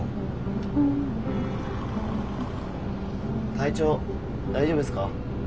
体調大丈夫ですか？